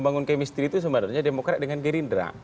dan pks itu sebenarnya demokrat dengan gerindra